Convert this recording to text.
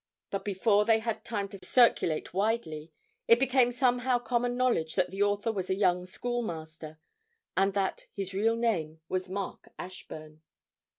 But before they had time to circulate widely, it became somehow common knowledge that the author was a young schoolmaster, and that his real name was Mark Ashburn.